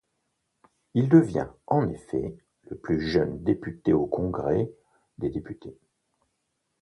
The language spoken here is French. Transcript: Il devient, en effet, le plus jeune député au Congrès des députés.